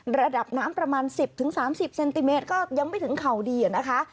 ระดับน้ำประมาณ๑๐๓๐เซนติเมตรก็ยังไม่ถึงเข่าดีนะคะ